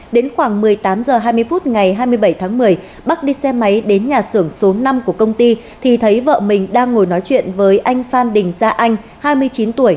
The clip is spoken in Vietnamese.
đến khoảng một mươi tám h hai mươi phút ngày hai mươi bảy tháng một mươi bắc đi xe máy đến nhà xưởng số năm của công ty thì thấy vợ mình đang ngồi nói chuyện với anh phan đình gia anh hai mươi chín tuổi